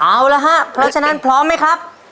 เอาละครับเพราะฉะนั้นพร้อมไหมครับ